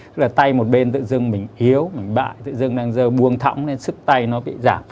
tức là tay một bên tự dưng mình yếu mình bại tự dưng đang rơi buông thỏng nên sức tay nó bị giảm